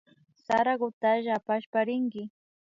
Sarakutalla apashpa rinki